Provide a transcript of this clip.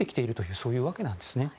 そういうわけなんですね。